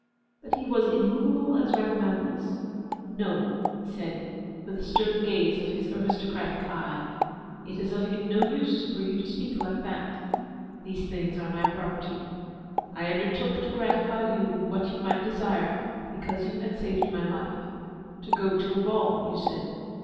But he was as immoveable as Rhadamanthus. 'No,' he said, with a stern gaze of his aristocratic eye. 'It is of no use for you to speak like that. The things are my property. I undertook to gratify you in what you might desire because you had saved my life. To go to a ball, you said.